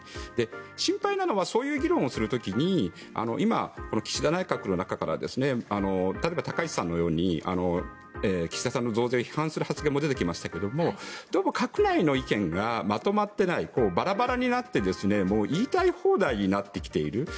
心配なのはそういう議論をする時に今、岸田内閣の中から例えば高市さんのように岸田さんの増税を批判する意見も出てきましたけどどうも閣内の意見がまとまっていないバラバラになって言いたい放題になってきている。